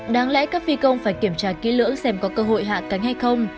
đáng lẽ các phi công phải kiểm tra kỹ lưỡng xem có cơ hội hạ cánh hay không